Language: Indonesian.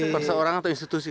per seorang atau institusi